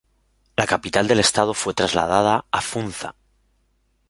La capital del Estado fue trasladada a Funza.